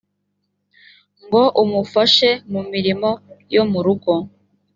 ngo umufashe mu mirimo yo mu rugo